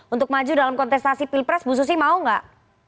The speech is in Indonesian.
untuk maju dalam kontestasi pilpres bu susi mau nggak